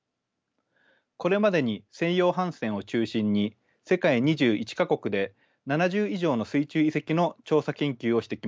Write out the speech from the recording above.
これまでに西洋帆船を中心に世界２１か国で７０以上の水中遺跡の調査研究をしてきました。